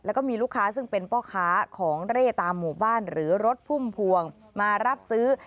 แล้วก็มีลูกค้าซึ่งเป็นพ่อค้าของเร่ตามหมู่บ้านหรือรถพุ่มพวงมารับซื้อ